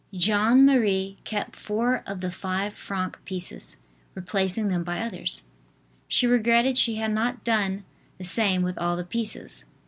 Jeanne Marie kept four of the five franc pieces, replacing them by others. She regretted she had not done the same with all the pieces.